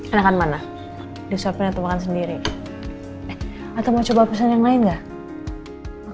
enakan mana disuapin atau makan sendiri atau mau coba pesen yang lain enggak